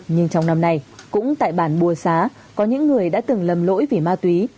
nhưng trong năm nay cũng tại bản bùa xá có những người đã từng lầm lỗi vì ma túy